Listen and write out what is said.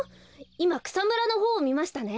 いまくさむらのほうをみましたね。